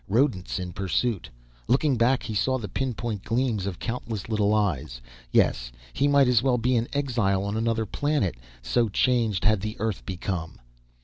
Rodents in pursuit. Looking back, he saw the pinpoint gleams of countless little eyes. Yes, he might as well be an exile on another planet so changed had the Earth become.